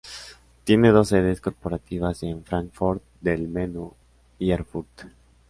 Tiene dos sedes corporativas en Fráncfort del Meno y Erfurt.